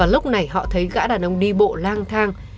lúc này họ thấy gã đàn ông đi bộ lang thang